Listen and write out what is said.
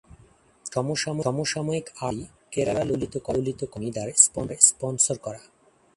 সমসাময়িক art gallery, Kerala Lalit Kala academy দ্বারা sponsor করা।